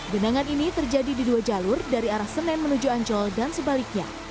genangan ini terjadi di dua jalur dari arah senen menuju ancol dan sebaliknya